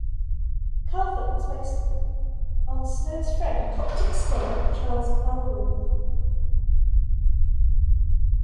Calvert was based on Snow's friend, Coptic scholar, Charles Allberry.